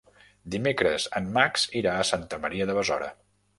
Dimecres en Max irà a Santa Maria de Besora.